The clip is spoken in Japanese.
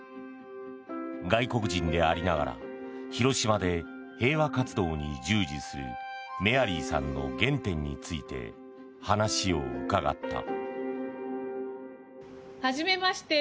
外国人でありながら広島で平和活動に従事するメアリーさんの原点について話を伺った。